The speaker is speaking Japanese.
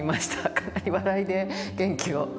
かなり笑いで元気を。